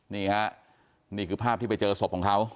นี่ฮะนี่คือภาพที่ไปเจอศพของเขา